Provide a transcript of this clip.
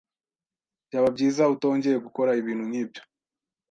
Byaba byiza utongeye gukora ibintu nkibyo.